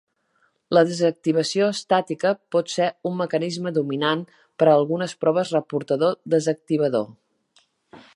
La desactivació estàtica pot ser un mecanisme dominant per a algunes proves reportador-desactivador.